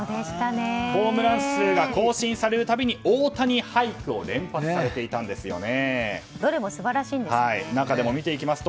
ホームラン数が更新されるたびに大谷俳句を連発されていました。